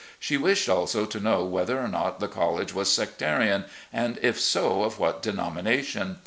She wished also to know whether or not the college was sectarian, and, if so, of what denomination.